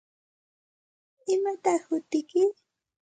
¿Imataq hutiyki?